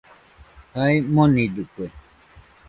Jae monidɨkue